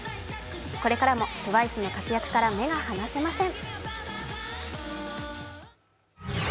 これからもＴＷＩＣＥの活躍から目が離せません。